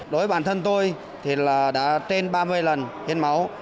đối với bản thân tôi thì là đã trên ba mươi lần hiến máu